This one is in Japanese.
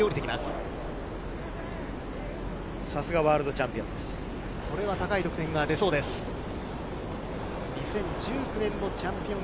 さすがワールドチャンピオン